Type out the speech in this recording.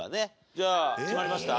じゃあ決まりました？